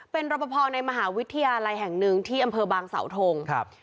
เป็นรปภในมหาวิทยาลัยแห่งหนึ่งที่อำเภอบางสาวทงครับ